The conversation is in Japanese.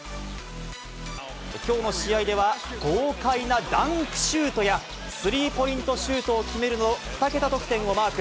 きょうの試合では、豪快なダンクシュートやスリーポイントシュートを決めるなど、２桁得点をマーク。